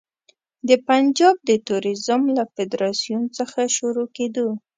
د پنجاب د توریزم له فدراسیون څخه شروع کېدو.